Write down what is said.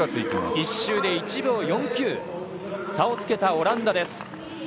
１周で１秒４９差をつけたオランダ。